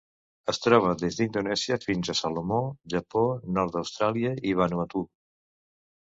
Es troba des d'Indonèsia fins a Salomó, Japó, nord d'Austràlia i Vanuatu.